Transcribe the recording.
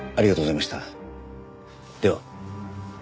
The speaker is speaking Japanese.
では。